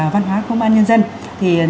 văn hóa công an nhân dân thì